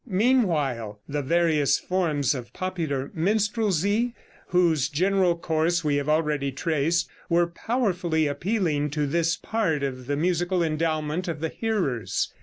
Meanwhile the various forms of popular minstrelsy, whose general course we have already traced, were powerfully appealing to this part of the musical endowment of the hearers.